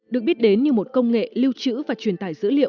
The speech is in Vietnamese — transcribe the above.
được biết đến như một công nghệ lưu trữ và truyền tải dữ liệu